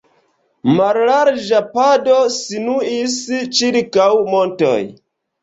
Mallarĝa pado sinuis ĉirkaŭ montoj.